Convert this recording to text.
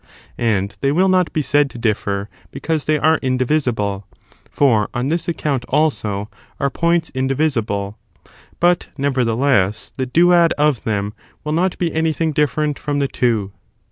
And they will not be said to differ because they are indivisible, for on this account, also, are points indivisible; but, nevertheless, the duad of them will not be anything different from the two.